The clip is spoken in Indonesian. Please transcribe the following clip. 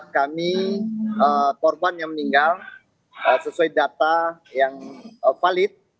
kami korban yang meninggal sesuai data yang valid